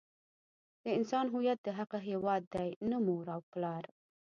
د انسان هویت د هغه هيواد دی نه مور او پلار.